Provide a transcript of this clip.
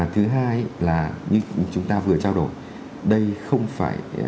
thứ hai là như chúng ta vừa trao đổi đây không phải